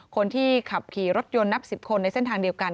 คนที่ขับขี่รถยนต์นับ๑๐คนในเส้นทางเดียวกัน